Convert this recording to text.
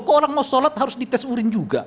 kalau orang mau sholat harus dites urin juga